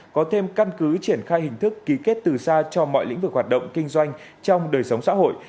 có thêm căn cứ triển khai hình thức ký kết từ xa cho mọi lĩnh vực hoạt động kinh doanh trong đời sống xã hội